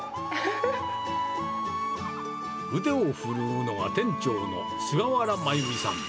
腕を振るうのは、店長の菅原真由美さん。